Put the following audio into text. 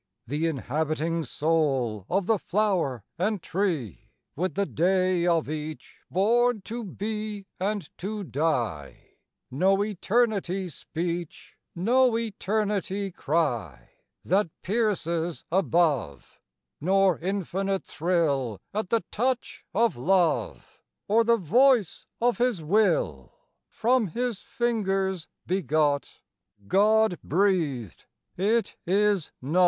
The inhabiting soul Of the flower and tree, With the day of each Born to be and to die, No eternity speech, No eternity cry That pierces above, Nor infinite thrill At the touch of Love, Or the voice of His will From His fingers begot, God breathed it is not!